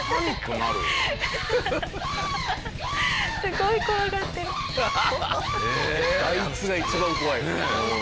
あいつが一番怖い。